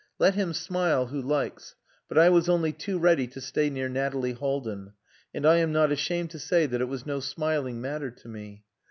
Let him smile who likes, but I was only too ready to stay near Nathalie Haldin, and I am not ashamed to say that it was no smiling matter to me.